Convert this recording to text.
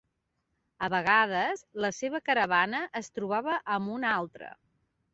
A vegades, la seva caravana es trobava amb una altra.